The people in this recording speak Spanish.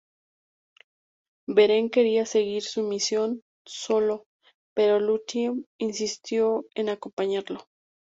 Beren quería seguir su misión solo, pero Lúthien insistió en acompañarlo.